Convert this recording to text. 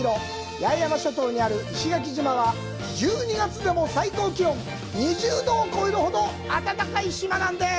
八重山諸島にある石垣島は、１２月でも最高気温２０度を超えるほど暖かい島なんです。